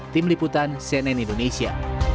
tim liputan cnn indonesia